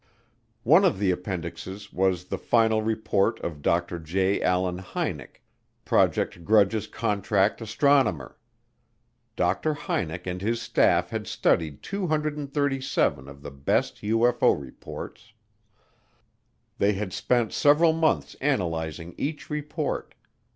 One of the appendixes was the final report of Dr. J. Allen Hynek, Project Grudge's contract astronomer. Dr. Hynek and his staff had studied 237 of the best UFO reports. They had spent several months analyzing each report.